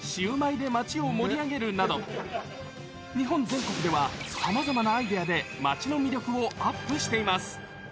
餃子で有名な栃木が、シウマイで町を盛り上げるなど、日本全国では、さまざまなアイデアで、町の魅力をアップしています。